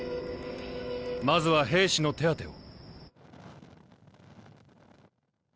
まずは兵士の手当てを。